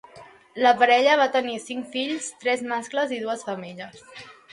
La parella va tenir cinc fills, tres mascles i dues femelles.